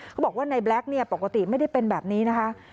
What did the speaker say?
เขาบอกว่าในแบล็คเนี่ยปกติไม่ได้เป็นแบบนี้นะคะ